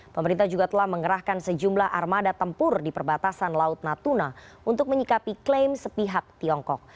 pemerintah juga telah mengerahkan sejumlah armada tempur di perbatasan laut natuna untuk menyikapi klaim sepihak tiongkok